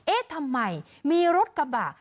เอ๊ะทำไมมีรถกระบะ